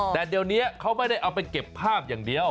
แต่เดี๋ยวนี้เขาไม่ได้เอาไปเก็บภาพอย่างเดียว